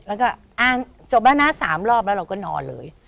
แล้วก็อ้างจบแล้วนะ๓รอบแล้วเราก็นอนเลย